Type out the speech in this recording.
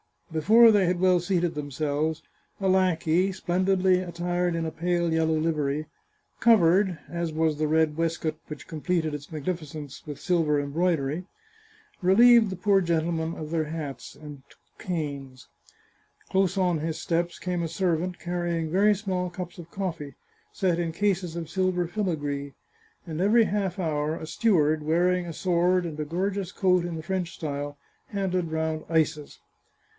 Before they had well seated themselves, a lackey — splendidly attired in a pale yellow livery, covered, as was the red waistcoat which completed its magnificence, with silver embroidery — relieved the poor gentlemen of their hats and canes. Close on his steps came a servant, carrying very small cups of coffee, set in cases of silver filigree, and every half hour a steward, wearing a sword and a gorgeous coat in the French style, handed round ices.